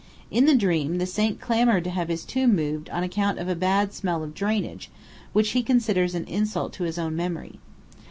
In the dream, the saint clamoured to have his tomb moved on account of a bad smell of drainage which he considers an insult to his own memory.